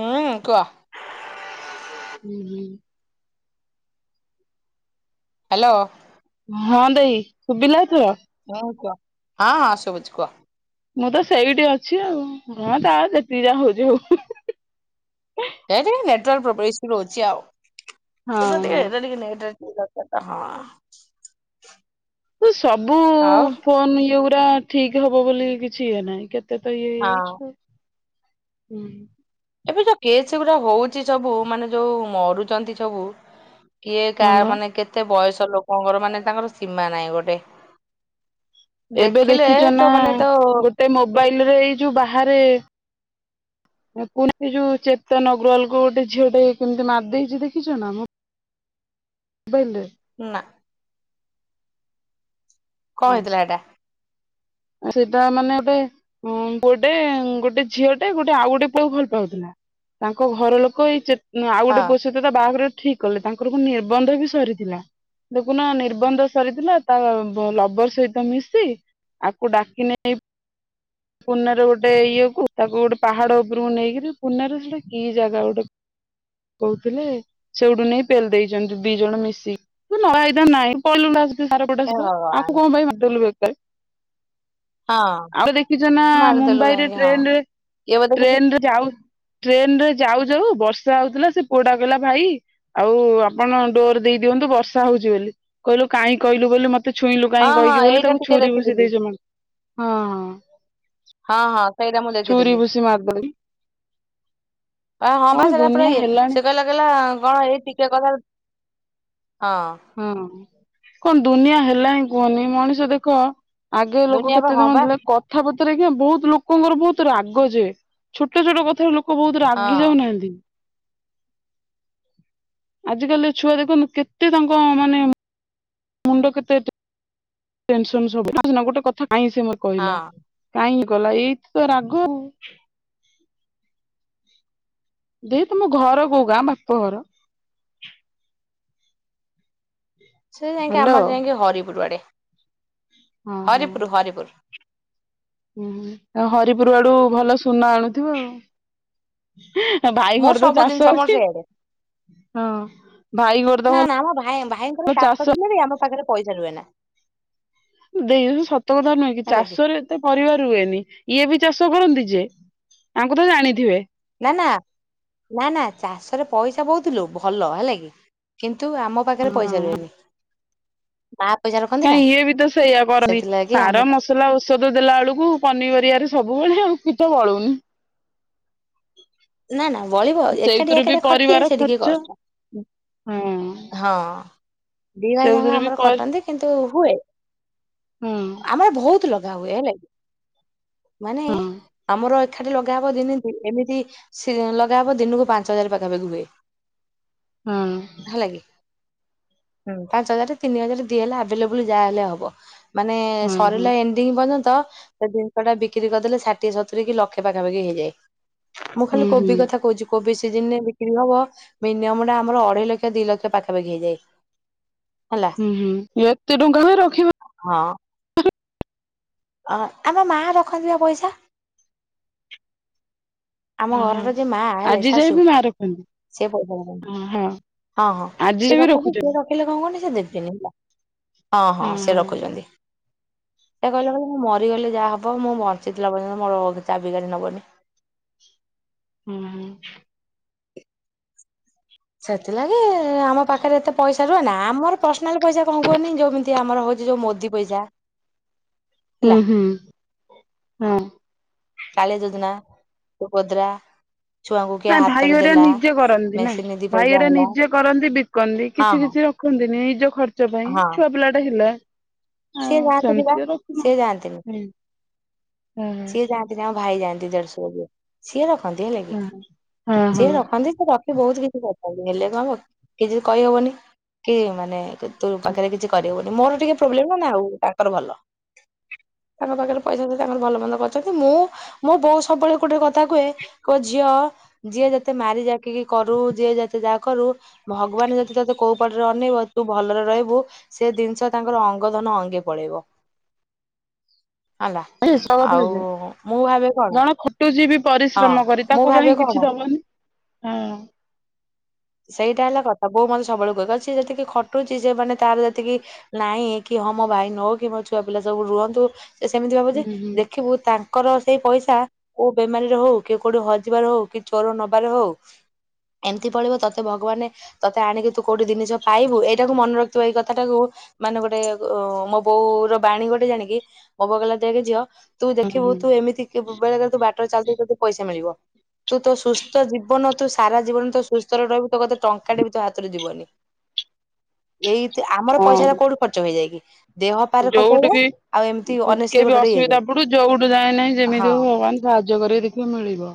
ହୁଁ କୁଅ। ହୁଁ ହୁଁ। ହାଲୋ। ହଁ ଦେଇ ଶୁଭିଲା ଏଥର। ହଁ କୁଅ ହଁ ସୁଭୁଛି କୁଅ। ମୁଁ ତ ସେଇଠି ଅଛି ଆଉ ହଁ ଯା ଯେତିକି ଯା ହଉଚି ହଉ। ଏ ଟିକେ ନେଟୱାର୍କ ପ୍ରୋବେ ଇସୁ ରହୁଛି ଆଉ। ହଁ ହଁ। [unintelligible] ସବୁ ଆଉ ଫୋନ ଇଏ ଉରା ଠିକ ହବ ବୋଲି କିଛି ଇଏ ନାହିଁ କେତ୍। ତ ଇଏ ହଁ ହେଇଯାଉଛି ଆଉ ହୁଁ। ଏବେ ଯୋଉ କେସ୍ ଗୁରା ହଉଚି ସବୁ ମାନେ ଯୋଉ ମରୁଛନ୍ତି ସବୁ। କିଏ କା ହଁ ବା ମାନେ କେତେ ବୟସ ଲୋକଙ୍କର ମାନେ ତାଙ୍କର ସୀମା ନାହିଁ ଗୋଟେ। ଏବେ ଦେଖିଲେ ଦେଖିଛ ନା ତ ମାନେ ତ ଗୋଟେ ମୋବାଇଲରେ ଏଇ ଯୋଉ ବାହାରେ। ପୁଣି ଏ ଯୋଉ ଚେତନ ଅଗ୍ରୱାଲ କୁ ଗୋଟେ ଝିଅ ଟେ କେମିତି ମାରି ଦେଇେଛି ଦେଖିଛ ନା ମ। ମୋବାଇଲ୍ ରେ। ନା। କଣ ହେଇଥିଲା ହେଟା? ସେଇଟା ମାନେ ଗୋଟେ ଗୋଟେ ଗୋଟେ ଝିଅଟେ ଗୋଟେ ଆଉ ଗୋଟେ ପୁଅ କୁ ଭଲ ପାଉଥିଲା। ତାଙ୍କ ଘର ଲୋକ ଏଇ ଚେଟ ଆଉ ହଁ ଗୋଟେ ପୁଅ ସାହିତ ତା ବାହାଘର ଠିକ୍ କଲେ ତାଙ୍କର ପୁଣି ନିର୍ବନ୍ଧ ବି ସରିଥିଲା। ଦେଖୁନ ନିର୍ବନ୍ଧ ସରିଥିଲା ତା ବ ଲବର ସହିତ ମିଶି ଆକୁ ଡାକି ନେଇ ପ ପୁନେ ରେ ଗୋଟେ ଇଏ କୁ ତାକୁ ପାହାଡ ଉପରକୁ ନେଇକିରି ପୁନେରେ ସେଟା କି ଜାଗା ଗୋଟେ। କହୁଥିଲେ ସେଉଠୁ ନେଇ ପେଲି ଦେଇଛନ୍ତି ଦି ଜଣ ମିଶି ନ ଆଇ ଥାନ୍ତୁ ନାହିଁ ପଳେଇ ଲୁନିତା ହେଆର ପଟା ହେ ସିପ ଭଗବାନ ଆକୁ କଣ ପାଇଁ ମାରିଦେଲୁ ଵେକାରେ। ହଁ ଆଉ ଦେଖିଛ ନା ମାରିଦେଲୁ ମୁମ୍ବାଇରେ କାହିଁକି ହଁ ଟ୍ରେନରେ ଇଏ ବୋଧେ କିଛି ଟ୍ରେନରେ ଯାଉ ଟ୍ରେନ ରେ ଯାଉ ଯାଉ ବର୍ଷା ହଉଥିଲା ସେ ପୁଆଟା କହିଲା ଭାଇ ଆଉ ଆପଣ ଡୋର ଦେଇଦିଅନ୍ତୁ ବର୍ଷା ହଉଛି ବୋଲି କହିଲୁ କାହିଁ କହିଲୁ ବୋଲି ମତେ- ତୁ ଛୁଇଁଲୁ ହଁ କାହିଁକି ହଁ କହିକି ବୋଲି ଏଇଟା ତାକୁ ଟିକେ ଛୁରୀ ଭୁସି ଦେଖିଥିଲି ଦେଇଛି ମ ହଁ ହଁ ହଁ ହଁ ସେଇଟା ମୁଁ ଦେଖିଥିଲି ଛୁରି ଭୁସି ମାରି ଦଉନି। ହଁ ବା ସେଟା ପୁରା ଇଏ ହେଲାଣି ସେ କହିଲା କହିଲା କଣ ଏଇ ଟିକେ ହଁ ହଁ କଣ ଦୁନିଆ ହେଲାଣି କୁହନି ମଣିଷ ଦେଖ ଆଗେ ଲୋକ ଦୁନିଆ ବା କେତେ ହଁ ଧାଉଁ ବା ଥିଲେ କଥାପଦେ ଆଜ୍ଞା ବହୁତ ଲୋକଙ୍କର ବହୁତ ରାଗ ଯେ ଛୋଟ ଛୋଟ କଥାରେ ଲୋକ ବହୁତ ରାଗି ହଁ ଯାଉନାହାନ୍ତି। ଆଜି କାଲି ଛୁଆ ଦେଖନ୍ତୁ କେତେ ତାଙ୍କ ମାନେ ମୁଣ୍ଡ କେତେ ଟେଂସନ୍ ସବୁ ନା ନା ଗୋଟେ କଥା କାଇଁ ସେ ମତେ କହିଲା? ହଁ ଗଲା ଏଇତ ତ ରାଗ ଆଉ। ଦେଇ ତୁମ ଘର କୋଉ ଗାଁ ବାପା ଘର? ସେ ଯାଇକି ହାଲୋ ଆମର ଯାଇକି ହରିପୁର ଆଡେ। ହଁ ହଁ। ହରିପୁର ହରିପୁର। ହରିପୁର ଆଡୁ ଭଲ ସୁନା ଆଣୁଥିବ ଆଉ। ଭାଇ ମୋର ଘର ତ ସବୁ ଜିନିଷ ଚାଷ ମୋର ଅଛି। ସେଇଆଡେ ହଁ ଭାଇଙ୍କର ତ ନା ନା ଭଲ ଆମ ଭାଇ ଭାଇଙ୍କର ଚାଷ କରିଥିଲେ ବି ଆମ ପାଖରେ ପଇସା ରୁହେ ନା। ଦେଇ ସତ କଥା ନୁହେଁ କି ଚାଷରେ ଏତେ ପରିବାର ହୁଏନି ଇଏ ବି ଚାଷ କରନ୍ତି ଯେ ତାଙ୍କୁ ତ ଜାଣିଥିବେ। ନା ନା ନା ନା ଚାଷରେ ପଇସା ବହୁତୁଲୋ ଭଲ ହେଲା କିି କିନ୍ତୁ କିନ୍ତୁ ଆମ ପାଖରେ ପଇସା ହଁ ରୁହେନି। ମା ପଇସା ରଖନ୍ତି ନା କାଇଁ ଇଏ ବି ତ ସେଇଆ କରନି ସେଥିଲାଗି ଆମେ ସାର ମସଲା ଔଷଧ ଦେଲା ବେଳକୁ ପନିପରିବାରେ ସବୁ ବୁ ବେଳେ ଆଉ କିଛି ତ ବଳୁନି। ନା ନା ବଳିବ ଏକାଠି ସେଇଥିରୁ ବି ଏକାଠା ଖଟିଲେ ପରିବାର ସେ ଟିକେ ଖର୍ଚ୍ଚ କଷ୍ଟ। ହଁ ହଁ। ଦି ଭାଇ ତାଙ୍କ ସେଉଥିରେ ବି ଆମର ପଇ ଖଟନ୍ତି କିନ୍ତୁ ହୁଏ ହଁ ଆମର ବହୁତ ଲୋକ ହୁଏ ହେଲା କି ମାନେ ହଁ ଆମର ଏକାଠି ଲଗାହବ ଦିନେ ଦିନେ ଏମିତି ସେ ଲଗାହବ ଦିନକୁ ପାଞ୍ଚ ହଜାର ପାଖାପାଖି ହୁଏ। ହେଲା କି। ହୁଁ। ହୁଁ ପାଞ୍ଚ ହଜାର ତିନି ହଜାର ଦିହଲେ ଆଭେଲେବୁଲ ଯାହାହେଲେ ହବ। ମାନେ ହଁ ହଁ। ସରିଲା ଏଣ୍ଡିଙ୍ଗ ପର୍ଯ୍ୟନ୍ତ। ତ ସେ ଜିନିଷ ଟା ବିକ୍ରି କରିଦେଲେ ଷାଠିଏ ସତୁରି କି ଲକ୍ଷେ ପାଖାପାଖି ହେଇଯାଏ ମୁଁ ଖାଲି ହୁଁ କୋବି ହୁଁ କଥା କହୁଛି କୋବି ଦିନରେ ବିକ୍ରି ହବ ମିନିମମ ଟା ଆମର ଅଢ଼େଇ ଲକ୍ଷ ଦି ଲକ୍ଷ ପାଖାପାଖି ହେଇଯାଏ। ହେଲା ହୁଁ ହୁଁ ଏତେ ଟଙ୍କା ହୁଏ ରଖିବ ଆ-ଆମ ମା ରଖନ୍ତି ପା ପଇସା। ଆମ ଓହୋ ଘରର ଯିଏ ମାଁ ହେଲେ ଆଜି ଯାଏ ଶାଶୁ ବି ମା ରଖନ୍ତି। ସେ [unintelligible] ହଁ ହଁ ହଁ ଆଜି ଯାଏ ସିଏ ବି ରଖନ୍ତି ରଖୁଛନ୍ତି ସିଏ ରଖିଲେ କଣ କହନି ଦେବେନି ହେଲା ହଁ ହଁ ସେ ରଖୁଛନ୍ତି। ହ [unintelligible] ସେ କହିଲେ କ ମୁଁ ମରିଗଲେ ଯାହା ହବ ମୁଁ ବଞ୍ଚିଥିଲା ପର୍ଯ୍ୟନ୍ତ ମୋର କିଏ ଚାବିକାଠି ନବନି। ହୁଁ ହୁଁ। ସେଥିଲାଗି ଆମ ପାଖରେ ଏତେ ପଇସା ରୁହେ ନା ଆମର ପର୍ସନାଲ ପଇସା କଣ କୁହନି ଯୋଉମିତି ଆମର ହଉଛି ଯୋଉ ମୋଦି ପଇସା ହୁଁ ହେଲା ହୁଁ ହଁ। କାଳିଆ ଯୋଜନା, ସୁଭଦ୍ରା ଛୁଆଙ୍କୁ କିଏ ନାଇ ହାତରେ ଭାଇଘରେ ଦେଲା ନିଜେ କରନ୍ତି ନାଇ ମେସିନ ଦି ପଇସା ଭାଇଘରେ ହେଲା ନିଜେ କରନ୍ତି ବିକନ୍ତି ହଁ କିଛି କିଛି ରଖନ୍ତି। ନିଜ ଖର୍ଚ୍ଚ ପାଇଁ ହଁ ହଁ ଛୁଆ ପିଲା ଟା ହେଲା। ଆଉ ସିଏ ଯାଆନ୍ତିନି ବା ସେମିତି ରଖିନ ସିଏ ଯାଆନ୍ତିନି। ହଁ ହଁ ସିଏ ହଁ। ଯାଆନ୍ତିନି ଆ ଭାଇ ଯାଆନ୍ତି ଦେଢ଼ଶୁର। ସିଏ ରଖନ୍ତି ହେଲେ କି ହଁ ହଁ ସିଏ ରଖନ୍ତି ସେ ରଖି ବହୁତ କିଛି କଥା ହେଲେ କଣ କିଛି କହିହବନି। କି ମାନେ ତୁ ପାଖରେ କିଛି କରବନି ମୋର ଟିକେ ପ୍ରୋବ୍ଲେମ ନା ଆଉ ତାଙ୍କର ଭଲ। ତାଙ୍କ ପାଖରେ ପଇସା ଦେଇ ତାଙ୍କର ଭଲ କରିଛନ୍ତି ମୁଁ ମୋ ବୋଉ ସବୁବେଳେ ଗୋଟେ କଥା କୁହେ କୋ ଝିଅ ଯିଏ ଯେତେ ମାରିଯାଏ କି କି କରୁ ଯିଏ ଯତେ ଯାହା କରୁ ଭଗବାନ ଯଦି ତତେ କୋଉ ପଟରେ ଅନେଇବ ତୁ ଭଲରେ ରହିବୁ ସେ ଜିନିଷ ତାଙ୍କର ଅଙ୍ଗ ଧନ ଅଙ୍ଗେ ପଳେଇବ। ହେଲା ିସ [unintelligible] ଆଉ ମୁଁ ଭାବେ କଣ? ଯିବି ହଁ ପରିଶ୍ରମ କରି ମୁଁ ତାକୁ କାଇହିଁ ଭାବେ କଣ କିଛି ଦବନି ହଁ। ସେଇଟା ହେଲା କଥା ବୋଉ ମତେ ସବୁବେଳଳେ କହେ ସେ ଯେତିକି ଖଟୁଛି ହଁ ମୋ ଭାଇ ନଉ କି ମୋ ଛୁଆ ପିଲା ସବୁ ରୁହନ୍ତୁ ସେ ସେମିତି ଭାବୁ ଯେ ହୁଁ ହୁଁ ଦେଖିବୁ ତାଙ୍କ ତାଙ୍କର ସେଇ ପଇସା କୋଉ ବେମାରୀରେ ହଉ, କି କୋଉଠି ହଜିବାରେ ହଉ କି, ଚୋର ନବାରେ ହଉ ଏମିତି ପଳେଇବ ତ ମତେ ଭଗବାନ ତତେ ଆଣିକି ତୁ କୋଉଠି ଜିନିଷ ପାଇବୁ ଏଇଟାକୁ ମନେ ରଖଥିବ ଏଇ କଥାଟାକୁ ମାନେ ଗୋଟେ ମୋ ବୋଉ ର ବାଣୀ ଗୋଟେ ଜାଣିକି ମୋ ବୋଉ କହିଲା ଦେଖେ ଝିଅ ତୁ ଦେଖିବୁ ହୁଁ ତୁ ଏମିତି ବେଳେ ତୁ ବାଟରେ ଚାଲୁଥିବୁ ତତେ ପଇସା ମିଳିବ। ତୁ ତୋ ସୁସ୍ଥ ଜୀବନ ତୁ ସାରା ଜୀବନ ତ ସୁସ୍ଥରେ ରହିବୁ ତୋ କଥା ଟଙ୍କା ଟେ ବି ତୋ ହାତରୁ ଯିବନି। ଏଇ ଆମର ପଇସା ର ହଁ କୋଉଠି ଖର୍ଚ୍ଚଇଯାଇକ କି? ନ ପାରେ କଟେଇଲେ ଆଉ [unintelligible] ଅନେଷ୍ଟଲି ଟିକେବି ଗୋଟେ ଗୋଟେ ଇଏ ହେଇଯାଏ ଅସୁବିଧା ପଡୁ ଯୋଉଠୁ ଯାଏ ନାହିଁ ହଁ। ଯେମିତି ହବ ଭଗବାନ ସାହାଯ୍ୟ କରିକି ଦେଖିବ ମିଳିବ।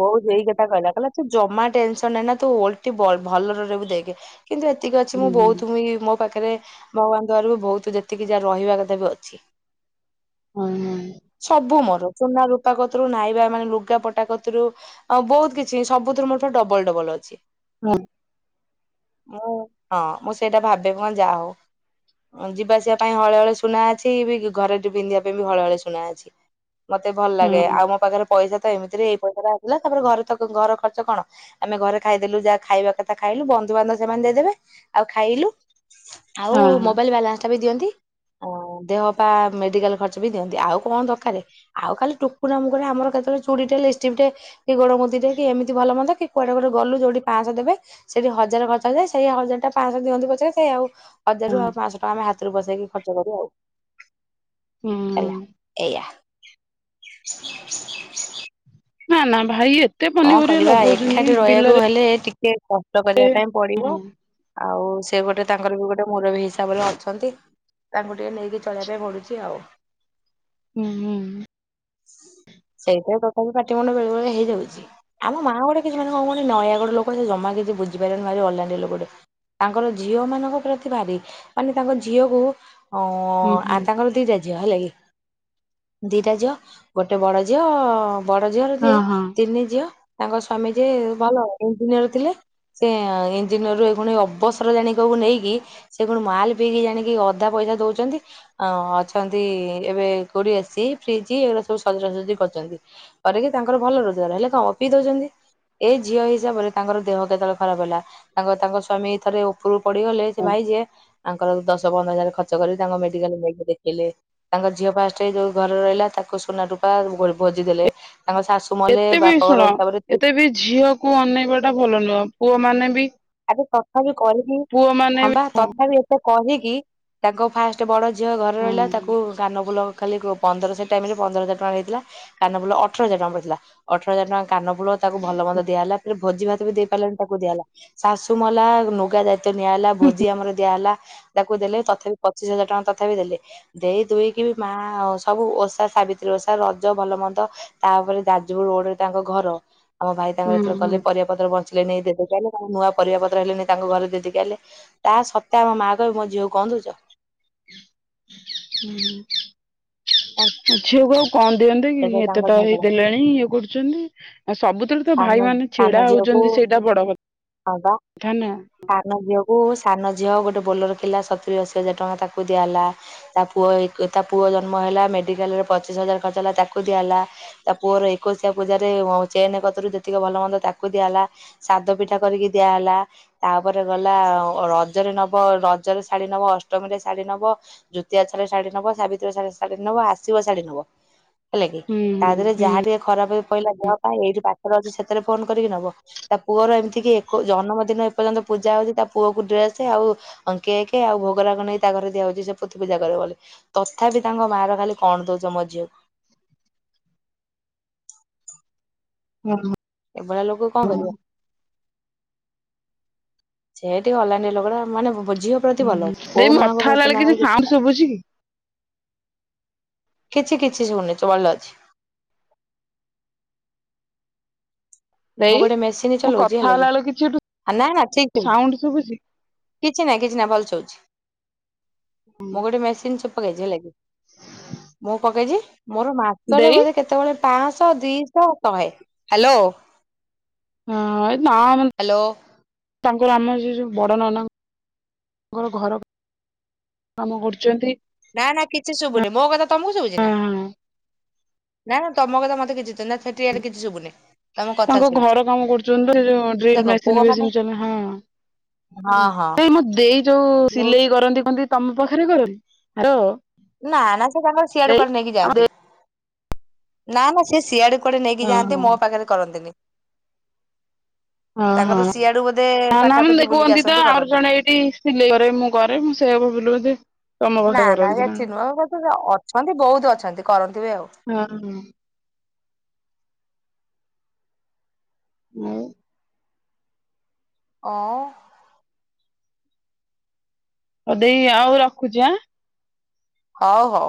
ବୋଉ ସେଇ କଥା କହିଲା କହିଲା ତୁ ଜମା ଟେନସନ ନେନା ତୁ ଓଲଟି ଭଲରେ ରହିବୁ ଦେଖେ। କିନ୍ତୁ ଏତିକି ଅଛି ମୁଁ ହୁଁ ହୁଁ ବହୁଉତମି ମୋ ପାଖରେ। ପାଖରେ ଭଗବାନଙ୍କ ଦୟାରୁ ବି ବହୁତ ଯେତିକି ଯାହା ରହିବା କଥା ବି ଅଛି। [inaudible] ସବୁ ମୋର ସୁନା ରୂପାକତ୍ରୁ ନାଇବା ମାନେ ଲୁଗା ପଟା କୁ ରୁ ଆ ବହୁତ କିଛି ସବୁଥିରୁ ମୋର ଡବଲ୍ ଡବଲ୍ ଅଛି। ହଁ। ମୁଁ ହଁ ମୁଁ ସେଇଟା ଭାବେ ମ ଯାହା ହଉ। ଯିବା ଆସିବା ପାଇଁ ହଳେ ହଳେ ସୁନା ଅଛି ବି ଘରେ ପିନ୍ଧିବା ପାଇଁ ବି ହଳେ ହଳେ ସୁନା ଅଛି। ମତେ ଭଲ ଲାଗେ ଆଉ ମୋ ପାଖରେ ପଇସା ତ ଏମିତିରେ ହେଇ ଇସ ଆସିଲା ତାପରେ ଘରେ ତ ଘର ଖର୍ଚ କଣ ଆମେ ଘରେ ଖାଇଦେଲୁ ଯାହା ଖାଇବା କଥା ଖାଇଲୁ ବନ୍ଧୁବାନ୍ଧ ସେମାନେ। ଦେଇଦେବେ ଆଉ ଖାଇଲୁ ଆଉ ହଁ ହଁ ମୋବାଇଲ ବାଲାନ୍ସ ଟା ବି ଦିଅନ୍ତି। ଅ ଦେହ ପା ମେଡିକାଲ ଖର୍ଚ ବି ଦିଅନ୍ତି ଆଉ କଣ ଦରକାର ଆଉ ଖାଲି ଟୁକୁରା ମୁକୁରା ଆମର କେତେବେଳେ ଚୁଡ଼ିଟେ, ଲିପ୍ ଲିପଷ୍ଟିକଟେ କି ଗୋଡ ମୁଦିଟେ ଏମିତି ଭଲ ମନ୍ଦ କି କୁଆଡେ ଗୋଟେ ଗଲୁ ଯଉଠି ପାଂସହ ଦେବେ ସେଠି ହଜାର ଖର୍ଚ୍ଚ ହେଇଯାଏ। ସେଇ ହଜାର ଟା ପାଞ୍ଚଶହ ଦିଅନ୍ତୁ ପଚାର ସେଇ ଆଉ। ହଁ ହଜାରରରୁ ଆଉ ପାଂସହ ଟଙ୍କା ଆମେ ହାତରୁ ବସେଇକି ଖର୍ଚ୍ଚ କରୁ ଆଉ। ହୁଁ ହେଲା ଏଇଆ। ନା ନା ଭାଇ ଏ କଣ କରିବା ଏକାଠି ରହିବାକୁ ହେଲେ ଟିକେ କଷ୍ଟ କରିବା ପାଇଁ ପଡିବ। ଆଉ ସେ ଗୋଟେ ତାଙ୍କର ବି ଗୋଟେ ମୁରବୀ ହିସାବରେ ଅଛନ୍ତି। ତାଙ୍କୁ ଟିକେ ନେଇକି ଚଳିବା ପାଇଁ ପଡୁଛି ଆଉ। ଉଁହୁଁ ହୁଁ। ସେଇଥିରେ ତଥାପି ପାଟି ମୁୁଣ୍ଡ ବେଳେ ବେଳେ ହେଇଯାଉଚି। ଆମ ମାଆ ଗୋଟେ କିଛି ମାନେ କଁ କୁହନି ନୟାଗଡ ଲୋକୋ ସେ ଜମା କିଛି ବୁଝିପାରିବନି ଭାରି ଅଲାଣ୍ଡି ଲୋକୋଟେ। ତାଙ୍କର ଝିଅ ମାନଙ୍କ ପ୍ରତି ଭାରି ମାନେ ତାଙ୍କ ଝିଅକୁ ଅଉଁ ହୁଁ ଆଁ ହୁଁ ତାଙ୍କର ଦିଯା ଝିଅ ହେଲା କି ଦିଟା ଝିଅ ଗୋଟେ ବଡ ଝିଅ ବଡ ଝିଅର ଦିଏ ହଁ ହଁ ତିନି ଝିଅ ତାଙ୍କ ସ୍ଵାମୀ ଯିଏ ଭଲ ଇଞ୍ଜିନିୟର ଥିଲେ। ସେ ଇଞ୍ଜିନ ରୁ ଏଇଖୁଣି ଅବସର ଜାଣିକି କହିବୁ ନେଇକି ସେ କଣ ମାଲ ପିଇକି ଜାଣିକି ଅଧା ପଇ ସା ଦୋଉଚନ୍ତି ଆଁ ଅଛନ୍ତି ଏବେ କୋଉଠି ଏସି ଫ୍ରିଜ୍ ଏଗୁରା ସବୁ ସଜଡ଼ା ସଜି କରୁଚ କରିକି ତାଙ୍କର ଭଲ ରୋଜୋଗାର ହେଲେ କଁ ହବ ପିଇଦୋଉଚନ୍ତି। ଏଇ ଝିଅ ହିସାବରେ ତାଙ୍କର ଦେହ କେତେବେଳେ ଖରାପ ହେଲା ତାଙ୍କ ତାଙ୍କ ସ୍ଵାମୀ ଥରେ ଓପୋରୁ ପଡିିଗଲେ ସିଏ ଭାଇ ଯିଏ। ଆଙ୍କର ଦଶ ପନ୍ଦର ହଜାର ଖର୍ଚ୍ଚ କରିକି ତାଙ୍କ ମେଡିକାଲ ନେଇକି ଦେଖେଇଲେ ତାଙ୍କ ଝିଅ ଫାଷ୍ଟ ଯୋଉ ଘରେ ରହିଲା ତା କୁ ସୁନା ରୁପା ଭୋ ଭୋଜି ଦେଲେ ତାଙ୍କ ଶାଶୁ ମଲେ ଏତେ ବା ବି ଶୁଣ ଏତେ ବି ଝିଅକୁ ଅନେଇବା ଟା ଭଲ ନୁହଁ ପୁଅ ମାନେ ବି ଆଗେ ତଥାବି କରିକି ପୁଅ ମାନେ ବି ହଁବା ତଥାବି ଏତେ କହିକି ତାଙ୍କ ଫାଷ୍ଟ ବଡ ଝିଅ ଘରେ ହୁଁ ରହିଲା ତାକୁ କାନ ଫୁଲ ଖାଲି କ ପନ୍ଦର ସେ ଟାଇମ ରେ ପନ୍ଦର ହଜାର ଟଙ୍କାରେ ନେଇଥିଲା କାନ ଫୁଲ ଅଠର ହଜାର ଟଙ୍କା ପଡିଥିଲା ଅଠର ହଜାର ଟଙ୍କା କାନ ଫୁଲ ତାକୁ ଭଲ ମନ୍ଦ ଦିଆ ହେଲା ଫେରେ ଭୋଜି ଭାତ ବି ଦେଇପାରିଲେନି ତାକୁ ଦିଆ ହେଲା। ଶାଶୁ ମଲା ନୁଗା ଦାୟିତ୍ୱ ନିଆହେଲା ଭୋଜି ଆମର ଦିଆହେଲା ତାକୁ ଦେଲେ ତଥାବି ପଚିଶ ହଜାର ଟଙ୍କା ତଥାବି ଦେଲେ ଦେଇ ଦୁଇକି ବି ମାଆ ସବୁ ଓଷା ସାବିତ୍ରୀ ଓଷା ରଜ ଭଲ ମନ୍ଦ ତାପରେ ଯାଜପୁର ରୋଡରେ ତାଙ୍କ ଘର ଆମ ଭାଇ ତାଙ୍କର ହୁଁ ଯେତେବୋଳେ ଗଲେ ହୁଁ ପରିବା ପତ୍ର ବଞ୍ଚିଲେ ନେଇ ଦେଇଦେଇକି ଆଇଲେ। ନୂଆ ପରିବା ପତ୍ର ଆଇଲେ ନେଇ ତାଙ୍କ ଘରେ ଦେଇ ଦେଇକି ଆଇଲେ ତା ସତେ ଆମ ମାଆ କହିବେ ମୋ ଝିଅକୁ କଁ ଦୋଉଚ? ହୁଁ। [unintelligible] ଦିଅନ୍ତେ କି ସେବେ ଏତେ ତାଙ୍କ ତ ହେଇ ଝଗଡା ଦେଲେଣି ଇଏ କରୁଛନ୍ତି। ଆଉ ସବୁଥିରେ ତ ସାନ ଭାଇ ମାନେ ଛିଡା ହୋଉଚନ୍ତି ସେ ସେଇଟା ବଡ କ ହଁପା ସାନ ଝିଅକୁ ସାନ ଝିଅ ଗୋ ଟେ ବୋଲୋରୋ ଥିଲା ସତୁରି ଅଶି ହଜାର ଟଙ୍କା ତାକୁ ଦିଆ ହେଲା ତା ପୁଅ ଏକୋ ତା ପୁଅ ଜନ୍ମ ହେଲା ମେଡିକାଲ ପଚିଶି ହଜାର ଖର୍ଚ ହେଲା ତା ତାକୁ ଦିଆହେଲା ତା ପୁଅର ଏକୋଉଶିଆ ପୂଜାରେ ମ ଚେନ ପତ୍ରରୁ ଯେତିକ ଭଲ ମନ୍ଦ ତାକୁ ଦିଆ ହେଲା ସାଦ ପିଠା କରିକି ଦିଆହେଲା ତାପରେ ଗଲା ରଜରେ ନବ ରଜରେ ଶାଢ଼ୀ ନବ ଅସ୍ ଅଷ୍ଟମୀରେ ଶାଢୀ ନେବ ଦୁତିଆ ଓଷାରେ ଶାଢୀ ନବ ସାବିତ୍ରୀ ଓଷାରେ ଶାଢୀ ନବ ଆସିବ ଶାଢୀ ନବ ହେଲା କି ହୁଁ ତା ହୁଁ ଦେହରେ ହୁଁ। ଯାହା ଟିକେ ଖରାପେ ପଇଲା ଯାହା ପାଇଁ ଏଇ ଯୋଉ ପାଖରେ ଅଛି ସେତେ ଲରେ ଫୋନ କରିକି ନବ ତା ପୁଅର ଏମିତି କିି ଏକୋ ଜନ୍ମ ଦିନ ଏର୍ଯ୍ୟନ୍ତ ପୂଜା ହୋଉଚି ତା ପୁଅକୁ ଡ୍ରେସ ଆଉ କେକେ ଆଉ ଭୋଗୋ ରାଗ ନେଇ ତା ଘରେ ଦିଆ ହୋଉଛି ସେ ପୋଥ ପୂଜା କରିବ ବୋଲି ତଥାବି ତାଙ୍କ ମାଆର ଖାଲି କଣ ଦୋଉଚ ମୋ ଝିଅକୁ ଅହଁ। ଏଭଳିଆ ଲୋକୋକୁ କଁ କରିବା। ସେନ୍ତି ଆଲାଣ୍ଡି ଲୋକୋଟା ମାନେ ବୋ ଝିଅ ପ୍ରତି ଭଲ ହୁଁ ଦେଇ ମୁଁ ବୋହୁମାନଙ୍କୁ କଥା ହେଲା ପ୍ରତି ବେଳେ ତାଙ୍କର କିଛି ସାଉଣ୍ଡ ନାହିଁ। ଶୁଭୁଛି କି କିଛି କିଛି ଶୁଣୁନି ତୁ ଭଲ ଅଛି। [inaudible] ମୁଁ ଦେଇ ଗୋଟେ ମେସିନି ମୁଁ ଚଲୋଉଚି କଥା ହେଲା କି ବେଳେ କିଛି ଏଠୁ ଆଁ ନାଁ ନାଁ ଠିକ୍ ଠିକ୍ ସାଉଣ୍ଡ ଶୁଭୁଛି କିଛି ନାଇଁ କିଛି ନାଇଁ ଭଲ। [unintelligible] ମୁଁ ଗୋଟେ ମେସିନ ଚ ପକେଇଚି ହେଲା କିି ମୁଁ ପକେଇଚି ମୋରୋ ମାସରେ ଦେଇ ବୋଧେ କେତୋବେଳେ ପାଁଶହ ଦିଶହ ଶହେ ହାଲୋ ହଁ ନା ତାଙ୍କ୍‌ ସେ ଆମର ଯୋଉ ବଡ଼ ନନାଙ୍କର ଘର କାମ କରୁଛନ୍ତି। ନା ନା କିଛି ଶୁଭୁନି ମୋ କଥା ତମକୁ ଶୁଭୁଛି ହଁ ନା ହଁ ନା ତମ କଥା ମତେ କିଛି [unintelligible] କିଛି ଶୁଭୁନି। ତମ କଥା ତାଙ୍କ ଶୁଭୁଛି। ଘର କାମ କରୁଛନ୍ତି ତ ଡ୍ରିଲ୍ ଦେଖ ପୁଅ ମେସିନ ମାନେ ଫେଶିନ ହଁ। ହଁ ହଁ ଏ ମୋ ଦେଇ ଯୋଉ ସିଲେଇ କରନ୍ତି କନ୍ତି ତମ ପାଖରେ କରନ୍ତି ହାଲୋ। ନା ନା ସେ ତାଙ୍କର ସିଆଡୁ କୁଆଡେ ନେଇକି ଆମ ଦେଇ ଯାଆନ୍ତି। ନା ନା ସେ ସିଆଡୁ କୁଆଡେ ନେଇକି ଯାଆନ୍ତି ଓହୋ ମୋ ପାଖରେ କରନ୍ତିନି। [inaudible] ହଁ ତାଙ୍କର ହଁ ସିଆଡୁ ବୋଧେ ନା ପାଖାପାଖି ନା ବୁଲିକି କୁହନ୍ତି ତ ଆସନ୍ତି ଆମର କରନ୍ତି। ଜଣେ ଏଇଠି ସିଲେଇ କରେ ମୁଁ କରେ ମୁଁ ସେୟାକୁ [unintelligible] ହେଇଯାଏ। ନା ନା ଏଠି ନୁହେଁ [unintelligible] ଅଛନ୍ତି ବହୁତ ଅଛନ୍ତି କରନ୍ତି ବି ଆଉ। ହଁ ହଁ। ନାଇ। ଅ ଅବି ଆଉ ରଖୁଛି ଆଁ ହଉ ହଉ।